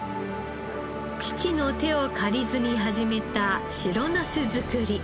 父の手を借りずに始めた白ナス作り。